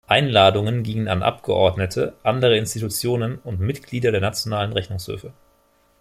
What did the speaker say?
Einladungen gingen an Abgeordnete, andere Institutionen und Mitglieder der nationalen Rechnungshöfe.